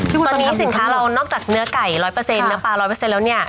อืมตอนนี้สินค้าเรานอกจากเนื้อไก่ร้อยเปอร์เซ็นต์เนื้อปลาร้อยเปอร์เซ็นต์แล้วเนี่ย